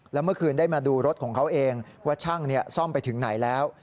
แล้วเมื่อคืนได้มาดูรถของเขาเองว่าช่างซ่อมไปถึงไหนแล้ว